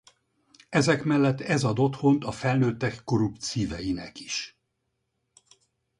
Ezek mellett ez ad otthont a felnőttek korrupt szíveinek is.